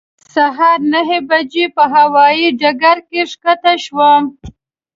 سهار نهه بجې په هوایې ډګر کې ښکته شوم.